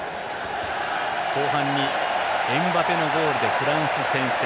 後半にエムバペのゴールでフランス先制。